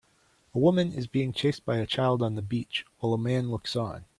A woman is being chased by a child on the beach while a man looks on.